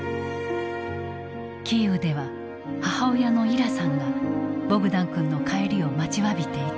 キーウでは母親のイラさんがボグダン君の帰りを待ちわびていた。